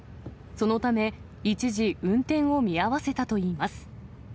そのため、一時運転を見合わせたといいます。